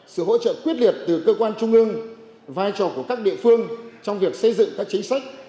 sự hỗ trợ quyết liệt từ cơ quan trung ương vai trò của các địa phương trong việc xây dựng các chính sách